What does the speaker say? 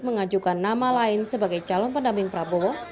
mengajukan nama lain sebagai calon pendamping prabowo